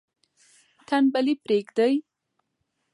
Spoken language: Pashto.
تنبلي پریږدئ.